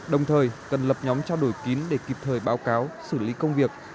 đồng thời cần lập nhóm trao đổi kín để kịp thời báo cáo xử lý công việc